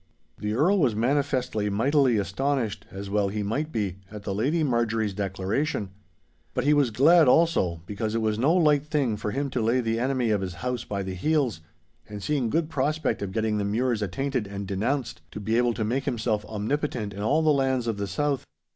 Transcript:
The Earl was manifestly mightily astonished, as well he might be, at the Lady Marjorie's declaration; but he was glad also, because it was no light thing for him to lay the enemy of his house by the heels, and, seeing good prospect of getting the Mures attainted and denounced, to be able to make himself omnipotent in all the lands of the south.